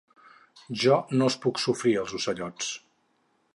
Jo no els puc sofrir, els ocellots.